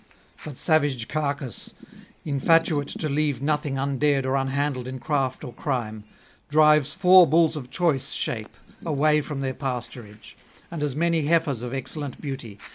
But savage Cacus, infatuate to leave nothing undared or unhandled in craft or crime, drives four bulls of choice shape away from their pasturage, and as many heifers of excellent beauty.